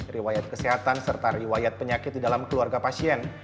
riwayat kesehatan serta riwayat penyakit di dalam keluarga pasien